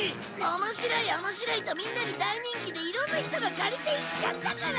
「面白い面白い」とみんなに大人気でいろんな人が借りていっちゃったから。